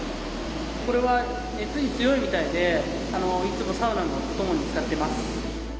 これは熱に強いみたいでいつもサウナのお供に使ってます。